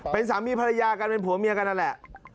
เป็นสามีภรรยากันเป็นผัวเมียกันนั่นแหละ